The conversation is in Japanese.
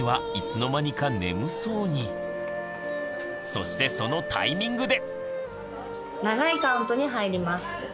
そしてそのタイミングで。